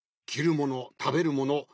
きるものたべるもの